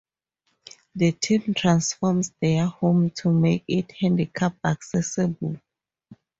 The team transforms their home to make it handicap-accessible.